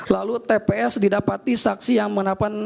lalu tps didapati saksi yang menapan